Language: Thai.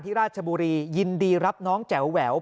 ราชบุรียินดีรับน้องแจ๋วแหวว